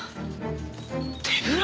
手ぶら？